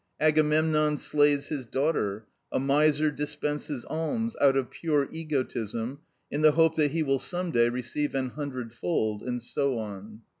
Agamemnon slays his daughter; a miser dispenses alms, out of pure egotism, in the hope that he will some day receive an hundred fold; and so on.